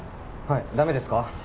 はいダメですか？